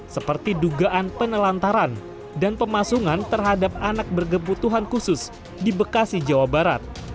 seperti dugaan penelantaran dan pemasungan terhadap anak berkebutuhan khusus di bekasi jawa barat